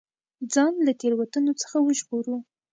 ځان له تېروتنو څخه وژغورو.